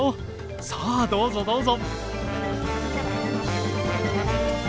さあどうぞどうぞ。